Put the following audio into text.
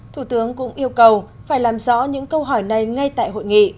thủ tướng cũng yêu cầu phải làm rõ những câu hỏi này ngay tại hội nghị